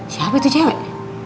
siapa itu cewek